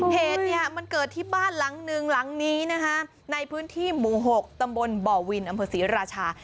เหตุเนี่ยมันเกิดที่บ้านหลังหนึ่งหลังนี้นะคะในพื้นที่หมู่๖ตำบลบ่อวินอำเภอศรีราชา